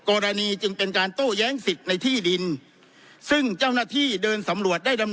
กรณีจึงเป็นการโต้แย้งสิทธิ์ในที่ดินซึ่งเจ้าหน้าที่เดินสำรวจได้ดำ